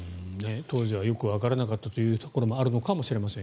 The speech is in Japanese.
当時はよくわからなかったところもあるのかもしれません。